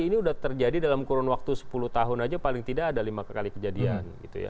ini sudah terjadi dalam kurun waktu sepuluh tahun aja paling tidak ada lima kali kejadian